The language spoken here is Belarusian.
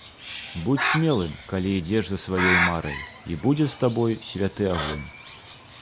Будзь смелым, калі ідзеш за сваёй марай, і будзе з табой святы агонь.